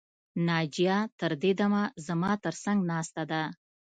ناجیه تر دې دمه زما تر څنګ ناسته ده